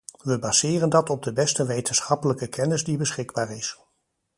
We baseren dat op de beste wetenschappelijke kennis die beschikbaar is.